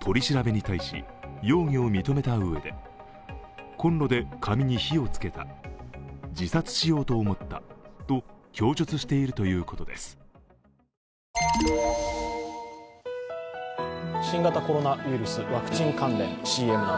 取り調べに対し容疑を認めたうえでコンロで紙に火をつけた自殺しようと思ったと供述してい「気になる！